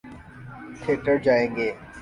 Theatre جائیں گے۔